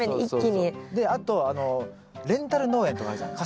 あとレンタル農園とかあるじゃない？